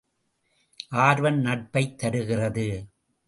ஆர்வம் நட்பைத் தருகிறது.